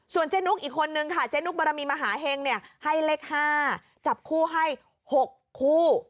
เจ๊นุกอีกคนนึงค่ะเจ๊นุกบรมีมหาเห็งเนี่ยให้เลข๕จับคู่ให้๖คู่